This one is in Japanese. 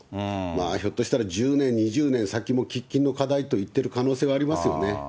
ひょっとしたら１０年、２０年先も喫緊の課題と言ってる可能性はありますよね。